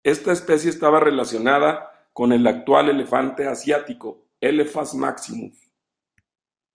Esta especie estaba relacionada con el actual elefante asiático, "Elephas maximus".